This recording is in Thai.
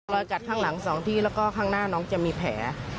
จัดข้างหลัง๒ที่แล้วก็ข้างหน้าน้องจะมีแผล